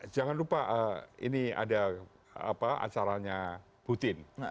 jangan lupa ini ada acaranya putin